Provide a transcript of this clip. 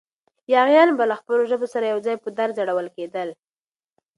یاغیان به له خپلو ژبو سره یو ځای په دار ځړول کېدل.